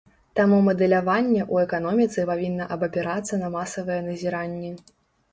Таму мадэляванне ў эканоміцы павінна абапірацца на масавыя назіранні.